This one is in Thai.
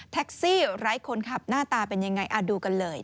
แท็กซี่ไร้คนขับหน้าตาเป็นยังไงดูกันเลย